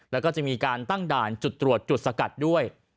แล้วก็จะมีการตั้งด่านจุดตรวจจุดสกัดด้วย